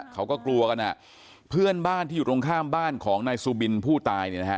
เขาก็กลัวกันอ่ะเพื่อนบ้านที่อยู่ตรงข้ามบ้านของนายซูบินผู้ตายเนี่ยนะฮะ